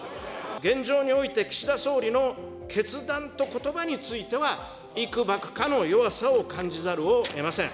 現状において、岸田総理の決断とことばについては、いくばくかの弱さを感じざるをえません。